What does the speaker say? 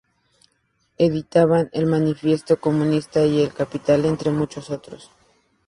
Editaban "El Manifiesto Comunista" y "El Capital", entre muchos otros.